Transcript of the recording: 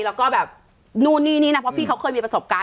แล้วก็แบบนู่นนี่นี่นะเพราะพี่เขาเคยมีประสบการณ์